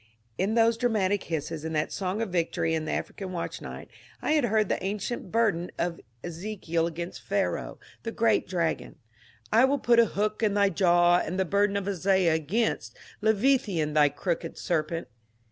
In those dramatic hisses and that song of victory in the African Watch Night I had heard the ancient burden of GENERAL BUTLER 375 Ezekiel against Pharaoh, the great dragon, ^' I will put a hook in thy jaws," and the burden of Isaiah against ^^ Leviathan that crooked serpent."